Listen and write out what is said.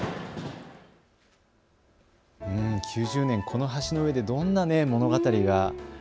９０年、この橋の上でどんな物語が。